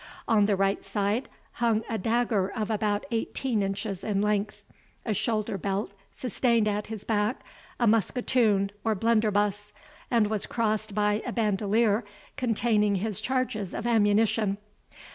On the right side hung a dagger of about eighteen inches in length; a shoulder belt sustained at his back a musketoon or blunderbuss, and was crossed by a bandelier containing his charges of ammunition.